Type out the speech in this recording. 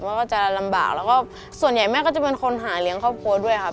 ก็จะลำบากแล้วก็ส่วนใหญ่แม่ก็จะเป็นคนหาเลี้ยงครอบครัวด้วยครับ